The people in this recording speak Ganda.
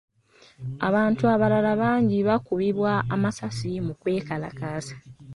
Abantu abalala bangi baakubibwa amasasi mu kwekalakasa.